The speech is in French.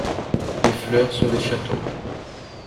Les fleurs sont des chatons.